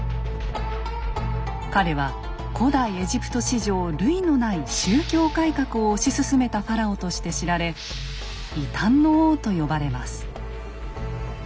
彼は古代エジプト史上類のない「宗教改革」を推し進めたファラオとして知られ「異端の王」と呼ばれます。